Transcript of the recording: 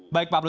baik pak abdul